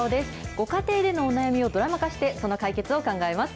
ご家庭でのお悩みをドラマ化して、その解決を考えます。